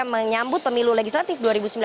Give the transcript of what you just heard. menyambut pemilu legislatif dua ribu sembilan belas